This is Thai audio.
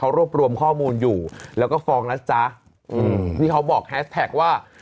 รวบรวมข้อมูลอยู่แล้วก็ฟ้องนะจ๊ะอืมนี่เขาบอกแฮสแท็กว่า